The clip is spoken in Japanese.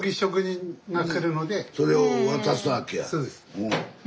そうです。